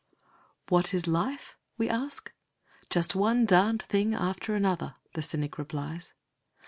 LIFE "What is life?" we ask. "Just one darned thing after another," the cynic replies.